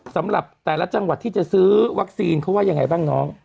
สำหรับแต่ละจังหวัดที่จะซื้อวัคซีนเขาว่ายังไงบ้างน้อง